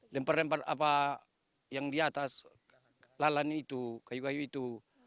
lempar lempar apa yang di atas lalan itu kayu kayu itu